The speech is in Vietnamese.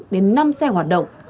bốn đến năm xe hoạt động